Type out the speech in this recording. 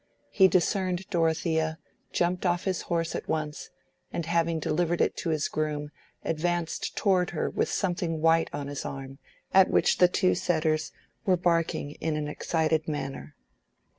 He discerned Dorothea, jumped off his horse at once, and, having delivered it to his groom, advanced towards her with something white on his arm, at which the two setters were barking in an excited manner.